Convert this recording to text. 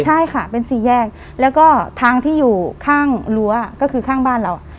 ใช่ค่ะเป็นสี่แยกแล้วก็ทางที่อยู่ข้างรั้วก็คือข้างบ้านเรา